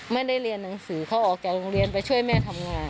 ไม่ได้เรียนหนังสือเขาออกจากโรงเรียนไปช่วยแม่ทำงาน